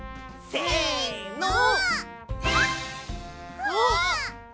せの！